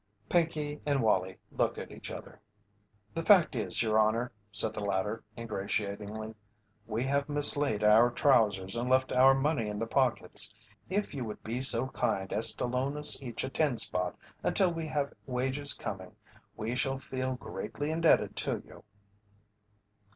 Pinkey and Wallie looked at each other. "The fact is, Your Honour," said the latter, ingratiatingly, "we have mislaid our trousers and left our money in the pockets. If you would be so kind as to loan us each a ten spot until we have wages coming we shall feel greatly indebted to you."